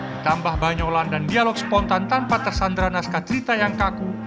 ditambah banyolan dan dialog spontan tanpa tersandra naskah cerita yang kaku